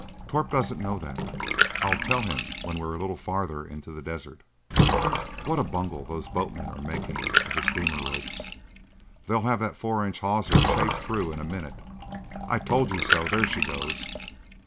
Torp doesn't know that. I'll tell him when we're a little farther into the desert. What a bungle those boatmen are making of the steamer ropes! They'll have that four inch hawser chafed through in a minute. I told you so—there she goes!